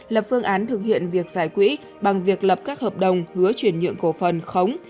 lập phương án thực hiện việc giải quỹ bằng việc lập các hợp đồng hứa chuyển nhượng cổ phần khống